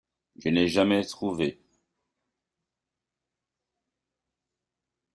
Je n’ai jamais trouvé.